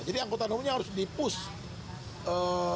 angkutan umumnya harus di push